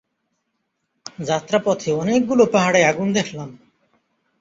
যাত্রাপথে অনেকগুলো পাহাড়ে আগুন দেখলাম।